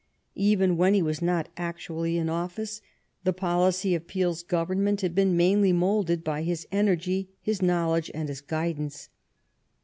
Even when he was not actually in office, the policy of Peel's Government had been mainly moulded by his energy, his know ledge, and his guidance.